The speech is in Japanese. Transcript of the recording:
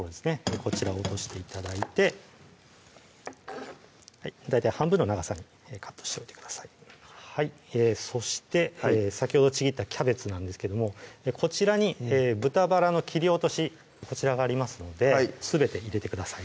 こちらを落として頂いて大体半分の長さにカットしておいてくださいそして先ほどちぎったキャベツなんですけどもこちらに豚バラの切り落としこちらがありますのですべて入れてください